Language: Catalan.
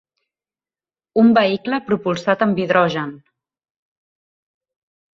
Un vehicle propulsat amb hidrogen.